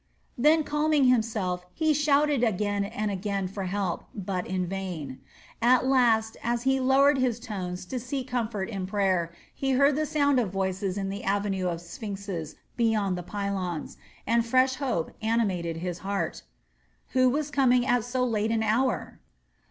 Then calming himself, he shouted again and again for help, but in vain. At last, as he lowered his tones to seek comfort in prayer, he heard the sound of voices in the avenue of sphinxes beyond the pylons, and fresh hope animated his heart. Who was coming at so late an hour?